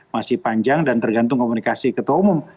masih panjang dan tergantung komunikasi ketua umum